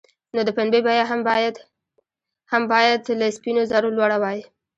نو د پنبې بیه هم باید له سپینو زرو لوړه وای.